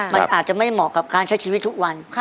มันอาจจะไม่เหมาะกับการใช้ชีวิตทุกวัน